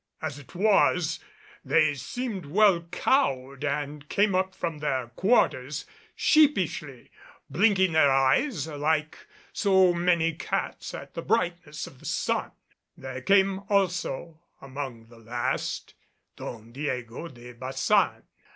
As it was, they seemed well cowed and came up from their quarters sheepishly, blinking their eyes like so many cats at the brightness of the sun. There came also among the last Don Diego de Baçan.